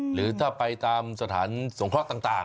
หรือถ้าไปตามสถานสงเคราะห์ต่าง